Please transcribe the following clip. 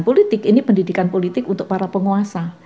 politik ini pendidikan politik untuk para penguasa